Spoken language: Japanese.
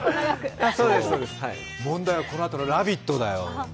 問題はこのあとの「ラヴィット！」だよ。